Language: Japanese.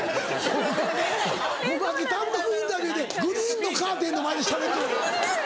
ホンマゴマキ単独インタビューでグリーンのカーテンの前でしゃべってる。